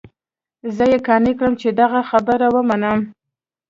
زه يې قانع کړم چې د هغه خبره ومنم.